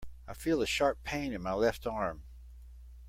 I feel a sharp pain in my left arm.